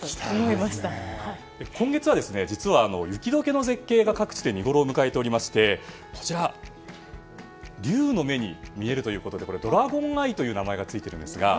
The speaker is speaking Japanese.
今月は雪解けの絶景が各地で見ごろを迎えていまして龍の眼に見えるということでドラゴンアイという名前がついています。